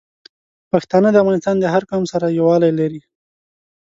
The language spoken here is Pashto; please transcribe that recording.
پښتانه د افغانستان د هر قوم سره یوالی لري.